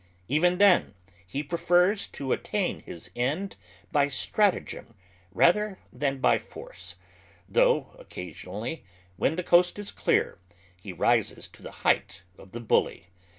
Even then he prefers to attain his end by strata gem rather than by force, though occasionally, when the coast is clear, he rises to the height of the bnily.